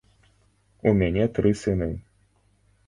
У мяне тры сыны.